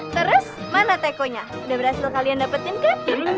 terus mana tekonya udah berhasil kalian dapetin kah